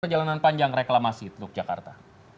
perjalanan panjang reklamasi teluk jakarta